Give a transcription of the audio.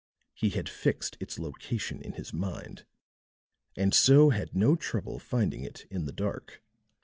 He had fixed its location in his mind, and so had no trouble finding it in the dark.